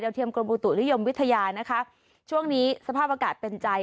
เทียมกรมอุตุนิยมวิทยานะคะช่วงนี้สภาพอากาศเป็นใจ